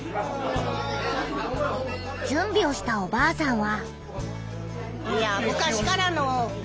じゅんびをしたおばあさんは。